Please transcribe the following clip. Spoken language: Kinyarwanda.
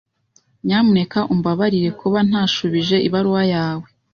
Nyamuneka umbabarire kuba ntashubije ibaruwa yawe.